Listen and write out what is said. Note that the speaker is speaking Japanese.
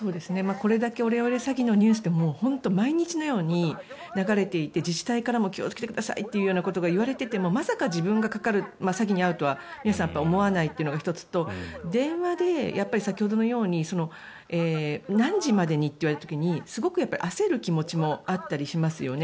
これだけオレオレ詐欺のニュースってもう本当に毎日のように流れていて自治体からも気をつけてくださいということが言われていてもまさか自分が詐欺に遭うとは皆さん思わないというのが１つと電話で先ほどのように何時までにと言われた時にすごく焦る気持ちもあったりしますよね。